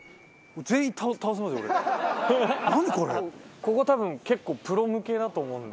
ここ多分結構プロ向きだと思うので。